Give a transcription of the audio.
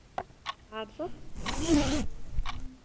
Tεerḍeḍ-t?